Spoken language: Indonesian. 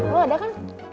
lo ada kan